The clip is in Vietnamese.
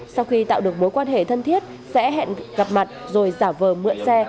sau khi tạo được mối quan hệ thân thiết sẽ hẹn gặp mặt rồi giả vờ mượn xe